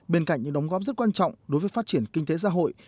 bên cạnh những đóng góp rất quan trọng đối với phát triển kinh tế xã hội